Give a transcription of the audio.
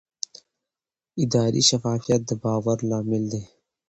اداري شفافیت د باور لامل دی